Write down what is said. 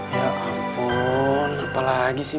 ya ampun apalagi sih